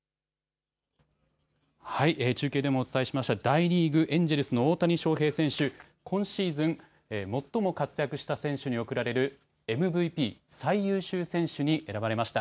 中継でもお伝えしました大リーグエンジェルスの大谷翔平選手、今シーズン最も活躍した選手に贈られるＭＶＰ・最優秀選手に選ばれました。